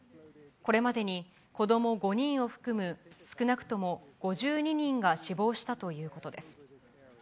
これまでに、子ども５人を含む少なくとも５２人が死亡したということです。